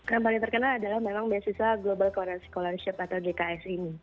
yang paling terkenal adalah memang beasiswa global korea scholarship atau gks ini